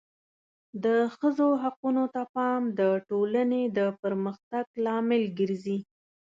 د ښځو حقونو ته پام د ټولنې د پرمختګ لامل ګرځي.